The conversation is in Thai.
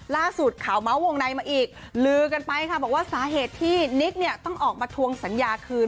ล่าสุดข่าวเมาส์วงในมาอีกลือกันไปค่ะบอกว่าสาเหตุที่นิกเนี่ยต้องออกมาทวงสัญญาคืน